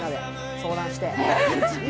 相談して。